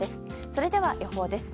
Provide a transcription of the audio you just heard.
それでは予報です。